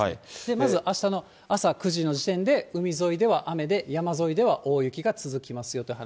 まずあしたの朝９時の時点で、海沿いでは雨で、山沿いでは大雪が続きますよという話。